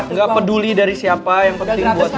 nggak peduli dari siapa yang penting buat